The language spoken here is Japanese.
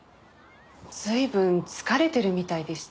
随分疲れているみたいでした。